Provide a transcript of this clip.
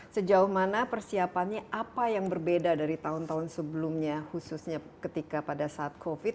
sejauh mana persiapannya apa yang berbeda dari tahun tahun sebelumnya khususnya ketika pada saat covid